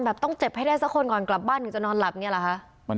ต้องเจ็บให้ได้สักคนก่อนกลับบ้านถึงจะนอนหลับอย่างนี้เหรอคะ